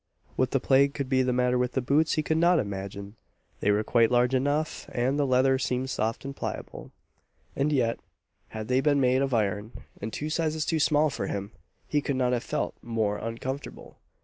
What the plague could be the matter with the boots, he could not imagine! They were quite large enough, and the leather seemed soft and pliable; and yet, had they been made of iron, and two sizes too small for him, he could not have felt more uncomfortable.